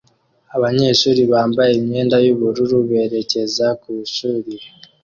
Abanyeshuri bambaye imyenda yubururu berekeza ku ishuri